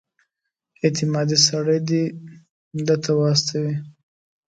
اعتمادي سړی دې ده ته واستوي.